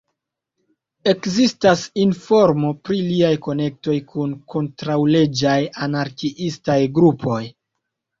Ekzistas informo pri liaj konektoj kun kontraŭleĝaj anarkiistaj grupoj.